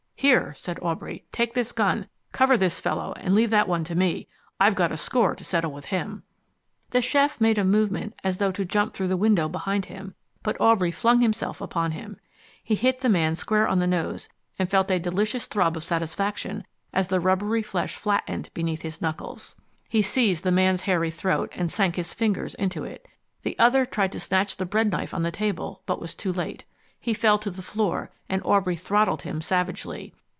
"Here," said Aubrey, "take this gun. Cover this fellow and leave that one to me. I've got a score to settle with him." The chef made a movement as though to jump through the window behind him, but Aubrey flung himself upon him. He hit the man square on the nose and felt a delicious throb of satisfaction as the rubbery flesh flattened beneath his knuckles. He seized the man's hairy throat and sank his fingers into it. The other tried to snatch the bread knife on the table, but was too late. He fell to the floor, and Aubrey throttled him savagely.